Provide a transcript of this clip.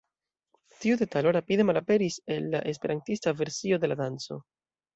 Tiu detalo rapide malaperis el la esperantista versio de la danco.